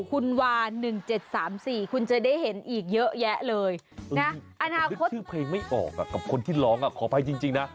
คุณวา๑๗๓๔คุณจะได้เห็นอีกเยอะแยะเลยนะอนาคตชื่อเพลงไม่ออกกับคนที่ร้องขออภัยจริงนะ